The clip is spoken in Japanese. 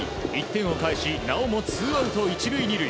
１点を返しなおもツーアウト１塁２塁。